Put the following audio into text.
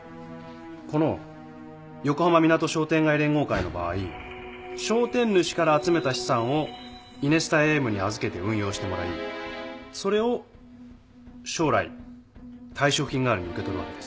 この横浜みなと商店街連合会の場合商店主から集めた資産をイネスタＡＭに預けて運用してもらいそれを将来退職金代わりに受け取るわけです。